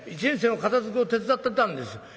１年生の片づけを手伝ってたんです。